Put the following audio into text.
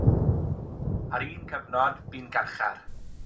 Ar un cyfnod, bu'n garchar.